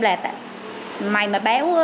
là mày mà béo